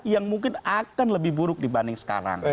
yang mungkin akan lebih buruk dibanding sekarang